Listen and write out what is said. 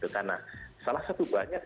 karena salah satu banyak